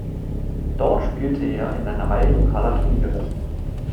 Dort spielte er in einer Reihe lokaler Turniere.